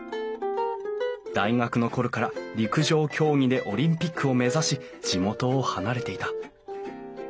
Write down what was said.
大学の頃から陸上競技でオリンピックを目指し地元を離れていた。